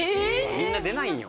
みんな出ないんよ。